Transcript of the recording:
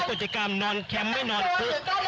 กิจกรรมนอนแคมป์ไม่นอนคุก